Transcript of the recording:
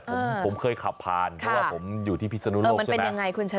ผมเคยขับผ่านเพราะว่าผมอยู่ที่พิสนุโลกใช่ไหมเออมันเป็นยังไงคุณชนะ